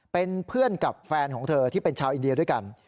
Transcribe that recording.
เป็นเพื่อนกับแฟนของเธอที่เป็นชาวอินเดียด้วยกัน